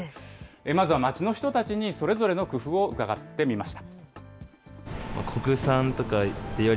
まずは街の人たちにそれぞれの工夫を伺ってみました。